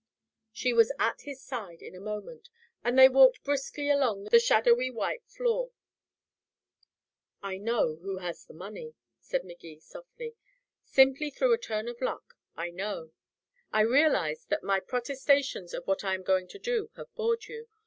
She was at his side in a moment, and they walked briskly along the shadowy white floor. "I know who has the money," said Magee softly. "Simply through a turn of luck, I know. I realize that my protestations of what I am going to do have bored you.